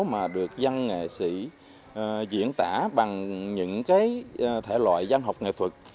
mà được dân nghệ sĩ diễn tả bằng những cái thể loại dân học nghệ thuật